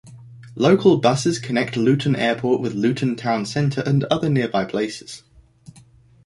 Local buses connect Luton Airport with Luton town centre and other nearby places.